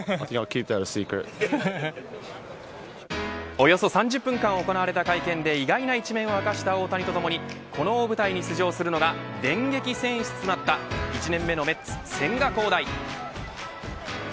およそ３０分間行われた会見で意外な一面を明かした大谷とともにこの大舞台に出場するのが電撃選出となった１年目のメッツ千賀滉大。